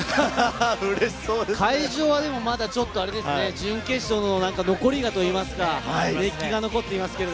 会場はまだちょっと準決勝の残り香といいますか、熱気が残っています。